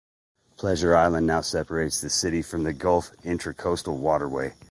Pleasure Island now separates the city from the Gulf Intracoastal Waterway.